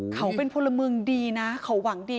เขาเป็นพลเมืองดีนะเขาหวังดี